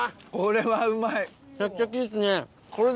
これはうまい！